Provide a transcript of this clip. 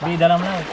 di dalam laut